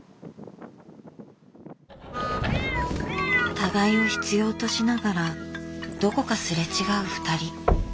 互いを必要としながらどこかすれ違うふたり。